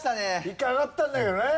一回上がったんだけどね。